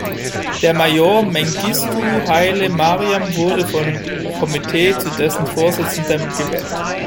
Der Major Mengistu Haile Mariam wurde vom Komitee zu dessen Vorsitzendem gewählt.